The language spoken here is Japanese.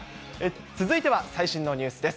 続いては最新のニュースです。